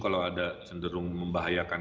kalau ada cenderung membahayakan